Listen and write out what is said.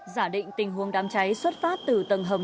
giả định tình huống đám cháy xuất phát từ tầng hầm